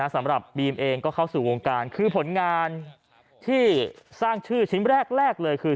สำหรับบีมเองก็เข้าสู่วงการคือผลงานที่สร้างชื่อชิ้นแรกเลยคือ